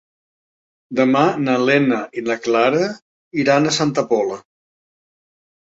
Demà na Lena i na Clara iran a Santa Pola.